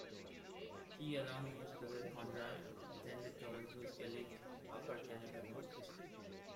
He along with his brother Conrad, attended Toronto's elite Upper Canada College.